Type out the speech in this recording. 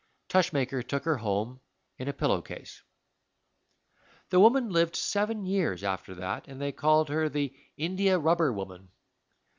Tushmaker took her home in a pillow case. The woman lived seven years after that, and they called her the "India Rubber Woman."